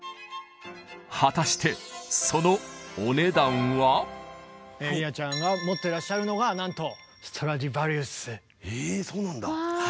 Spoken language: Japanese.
果たして理奈ちゃんが持ってらっしゃるのがなんとえそうなんだ。